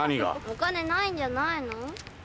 お金ないんじゃないの？